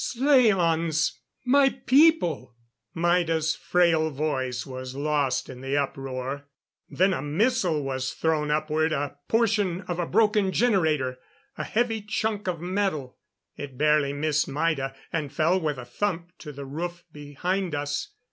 "Slaans my people " Maida's frail voice was lost in the uproar. Then a missle was thrown upward a portion of a broken generator a heavy chunk of metal. It barely missed Maida, and fell with a thump to the roof behind us.